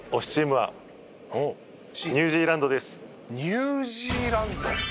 「ニュージーランド！」